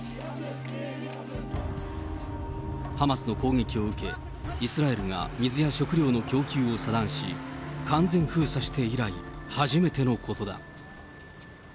ハマスの攻撃を受け、イスラエルが水や食料などの供給を遮断し、完全封鎖して以来初めてのことだ。